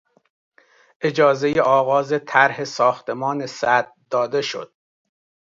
اجازهی آغاز طرح ساختمان سد داده شد.